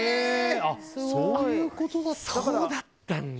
そういうことだったんだ。